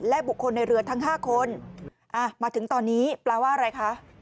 และบุคคลในเรือทั้ง๕คนมาถึงตอนนี้แปลว่าอะไรคะ